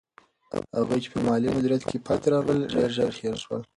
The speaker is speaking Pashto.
هغوی چې په مالي مدیریت کې پاتې راغلل، ډېر ژر هېر شول.